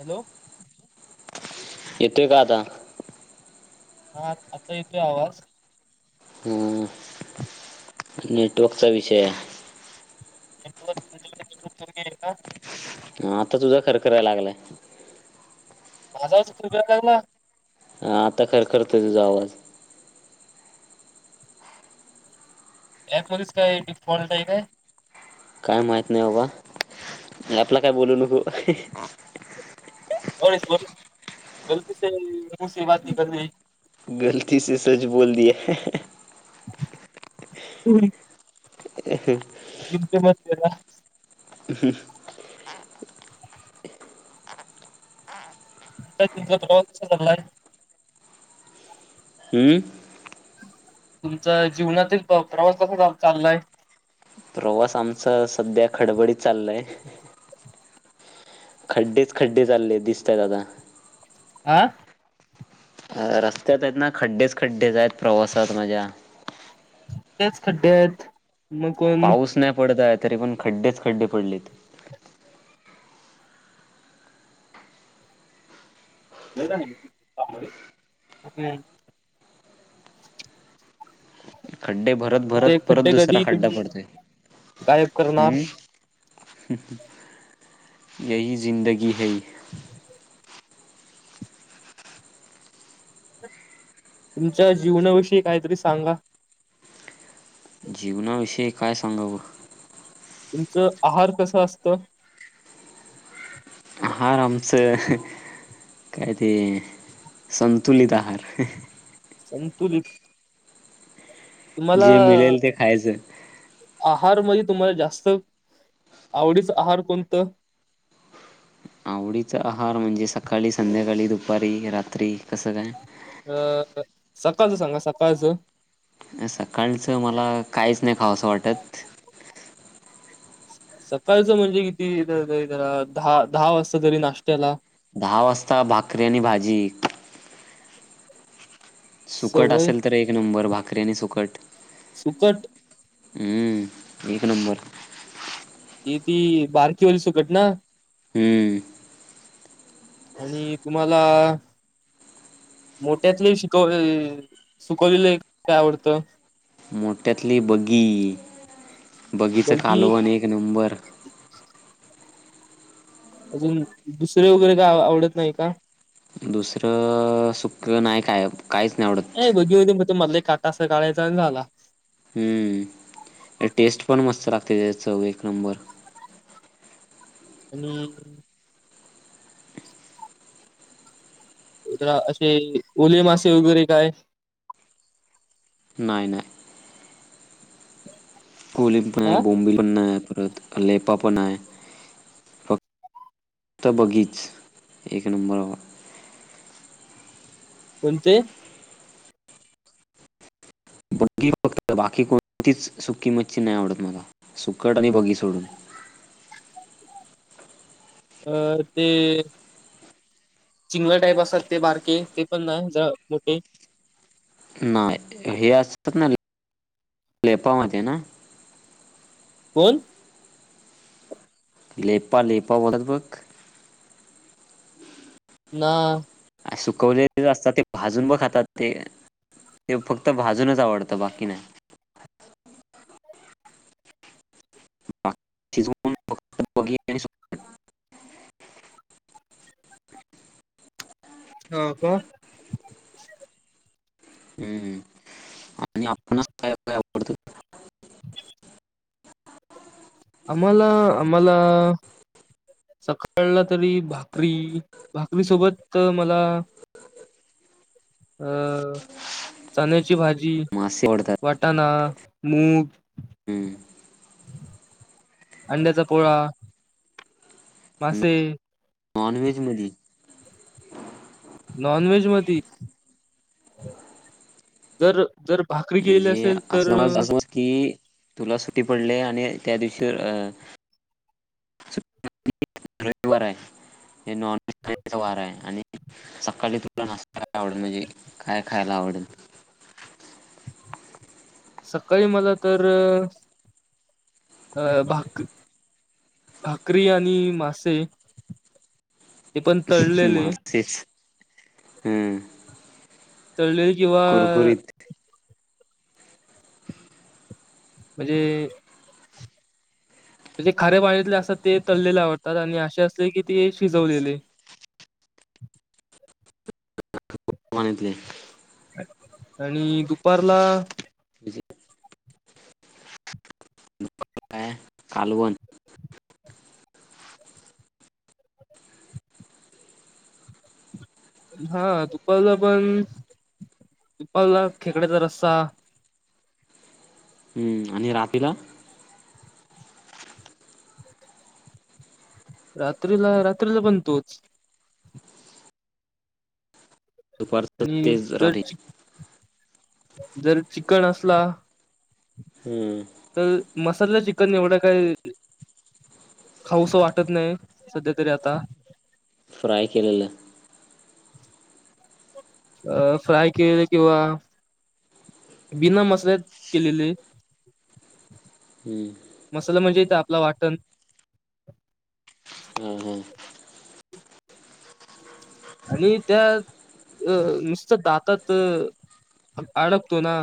Hello येतोय का आता? हा आता येतोय आवाज. हम्म नेटवर्कचा विषय हाय. नेटवर्क [unintelligible] आहे का? हा आता तुझा खरंखराय लागलाय. माझा आवाज खरखराय लागला. हा आता खरखरतोय तुझा आवाज. अँप्स मध्ये काय डीफॉल्ट हाय काय? काय माहित नाही बाबा. अँपला काय बोलू नको. [unintelligible] [unintelligible] होय. हे हे. जमते म्हतेला. हम. आता तिचा प्रवा चाललाय. हम्म? तुमचा जीवनातील प्रवास कसा चाललाय? प्रवास आमचा सध्या खडबडीत चाललाय. खड्डेच खड्डे चालले दिसतायत आता. आ? अ रस्त्यात आहेत ना खड्डेच खड्डेच आहेत प्रवासात माज्या. खच खड्डे् आहेत. मग कोण पाऊस नाही पडताय. तरी पण खड्डेच खड्डे पडलेत. [unintelligible] हम्म. खड्डे भरत ते भरत परत खड्डे दुसरा कधी खड्डा तुम्ही पडतोय. गायब करणार हम्म? [unintelligible] तुमच्या जीवनाविषयी काहीतरी सांगा. जीवनाविषयी काय सांगावं? तुमचं आहार कसं असतं? आहार आमचं काय ते संतुलित आहार. संतुलित तुम्हाला जे मिळेल ते खायचं. आहार मइ तुम्हाला जास्त आवडीच आहार कोणतं? आवडीच आहार म्हणजे सकाळी संध्याकाळी दुपारी रात्री कसं काय? अ सकाळचा सांगा सकाळचा. सकाळचं मला काहीच नाही खावं असं वाटत. सकाळचा म्हणजे किती तरी जरा दहा दहा वाजता तरी नाश्त्याला दहा वाजता भाकरी आणि भाजी सुकट सवय असेल तर एक नंबर भाकरी आणि सुकट. सुकट हम्म. एक नंबर. ती ती बारकीवाली सुकट ना. हम्म. आणि तुम्हाला मोठ्यातले शिकवले सुकवलेले काय आवडतं? मोठ्यातली बग्गी बग्गीचा बघी कालवण एक नंबर. अजून दुसरे वगैरे काय आवडत नाही का? दुसरं सु खर नाय खायब ए बग्गी मधून [unintelligible] ते मधले काटा असं कळायचा आणि झाला. हम्म, टेस्ट पण मस्त लागते चव एक नंबर. आणि इकडं असे ओले मासे वगैरे काय? नाही- नाही कोली पण नाय हा बॉम्बे पण नाय करत लेपा पण आहे. तर बग्गीच एक नंबर हो. कोणते बग्गीच फक्त बाकी कोणतीच सु सुकी मच्छी नाही आवडत मला, सुकट आणि बगी सोडून. अ ते सिंगल टाईप असातत ते बारके ते पण नाही जरा मोठे. नाय हे असतात ना लेपा माहित आहे ना? कोण लेपा लेपा वढत बघ. ना सुकवलेच असतात ते भाजून ब खातात ते ते फक्त भाजूनच आवडतं बाकी नाही. बाकी जो कोण फक्त बग्गी आणि सुकट. हा का. हम्म आणि आपणच काय काय आवडतं? आम्हाला आम्हाला सकाळला तरी भाकरी भाकरी सोबत मला अ चण्याची भा जी मासे आवडतात. वाटाणा मूग, हम्म. अंड्याचा पोळा, मासे नॉन व्हेज मधी नॉन व्हेज मध्ये जर जर भाकरी केल्या अं अस असं की तुला सुटी पडली आणि त्या दिशी आहे नॉन वारा आहे आणि सकाळी तुला ना आवड म्हणजे काय? खायला आवडेल. सकाळी मला तर अ भाकरी भाकरी आणि मासे ती पण तळलेले. मासेच. हम्म. तळलेल किंवा कुरकुरीत म्हणजे म्हणजे खारे पाणीतले असतात ते तळलेले आवडतात आणि असे असले की ते शिजवलेले. बणीतले. आणि दुपारला म्हणजे कालवण. हा दूपारला पण दुपारला खेकड्याचा रस्सा हम्म आणि रातीला रात्रीला रात्रीला पण तोच. दुपारचं आणि तेच जर राती जर चिकन असला हम्म. तर मसाला ची कण एवढं काही खाऊस वाटत नाही, सध्या तरी आता फ्राय केलेलं. अ फ्राय केलेले किंवा बिना मसाले केलेले. हम्म. मसला म्हणजे ता ला वाटण. हम् हम्. आणि त्या अ नुसत दातात अडकतो ना.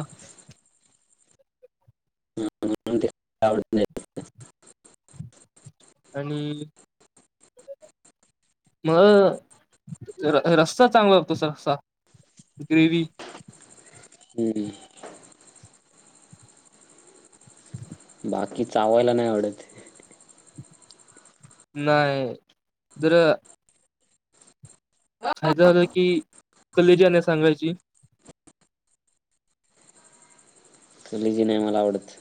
अवडत नाहीत. आणि मग र रस्ता चांगला वता तसा ग्रेवी हम्म. बाकी चावायला नाही आवडत. नाही द्र फायदा झाला की, [unintelligible] सांगायची नय मला आवडत.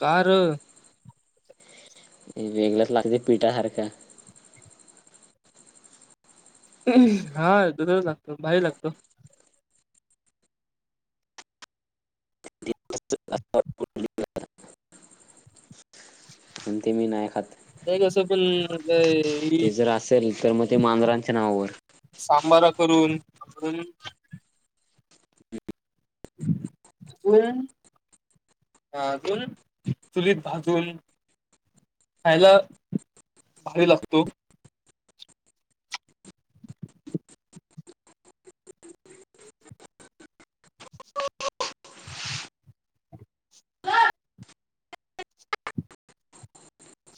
कार् लक लागली पिठाहारख हम हा दुसच लागतो बाारी लागतो. [inaudible] अंत मी नाय खात नाही कसं पण मग ते जर असेल तर मग ते मांजरांच्या नावावर बरा करून अून अजून अ अजून चुलीत भाजून खायला भारी लागतो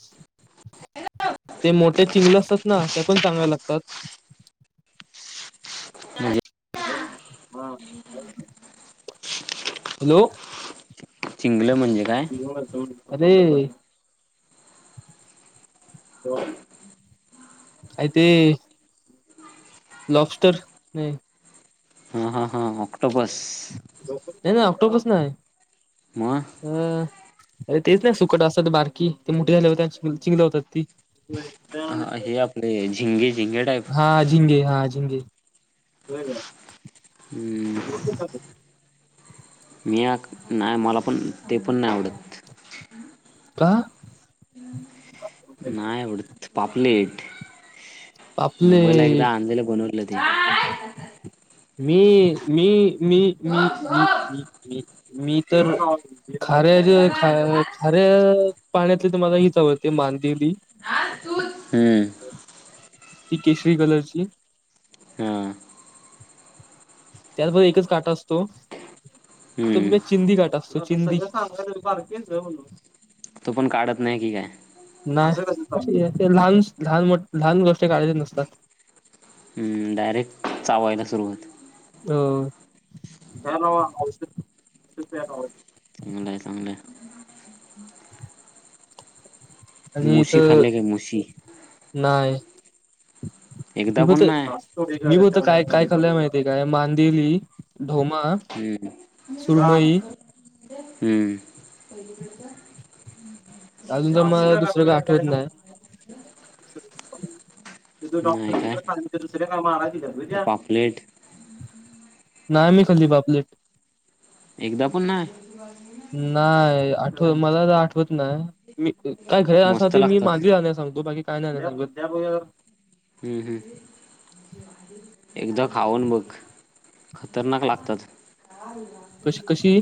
शी ते मोठे चिंगले असतात ना ते पण चांगले लागतात म्हणजे हॅलो हा हॅलो चिंगलं म्हणजे काय जावून अरे आ ते लॉपस्टर नय हां हां हां ऑक्टोपस नाही नाही ऑक्टोपस नाही मग हम्म अरे तेच नाही सुकट असतात बारकी ते मोठे झाले होते चिंगलं होतात ती ह हे आपले झिंगे झिंगे टाईप िी हो मी नाही मला पण ते पण नाही आवडत का नाय उडत पापलेट आपले मुंबईला एकदा आंधेला बनवलं ते मी मी मी मी मी तर खऱ्या ख खऱ्या पाण्यातले तर मला हीच आवडते मांदेली हम्म ती केशरी कलरची हां त्यातबर एकच काटा असतो तर हम्म बघ चिंदी काटा असतो चिंदी तो पण काढत नाही की काय नाही लहान लहान मोठ लहान गोष्टी काढज नसतात हम्म डायरेक्ट चावायला सुरुवात ह चांगलं आहे चांगलं आहे औषधऔध मुसशी खा गे मुशी नाहीय एकदा पण नाही तवत काय काय खल्य माहिती काय मांदेली ढो हम्म सुरुम हम्म अजून तर मला दुसरं का आठवत नाही नाही डॉक्टरा काय दुसर्या का पापलेट ना म खल्ली बापलेट एकदा पण नाही नाही आठव मला तर आठवत ना मी काय घर असा मस्त ते मी लागतात माझे जाण्या सगतो बाकी नाही नाही नाही्या हम्म हम्म एकदा खाऊन बघ खतरनाक लागतात कशी कशी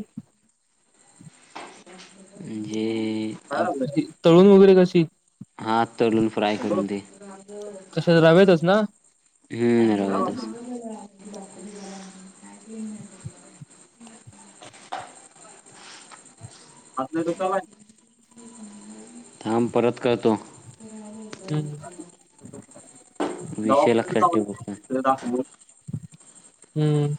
म्हणजे तळून वगैरे कशी हा तळून फ्राय करून दे कशा रवेतच ना हम्मरो आपल्या दु का आहे काब परत करतो हम्म विषय दवाखान्यात लक्षात ठेव येवू फक्त तिथ दाखवून हम्म